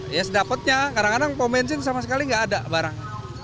ya sedapetnya kadang kadang pom bensin sama sekali nggak ada barang